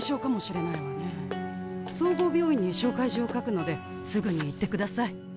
総合病院に紹介状を書くのですぐに行って下さい。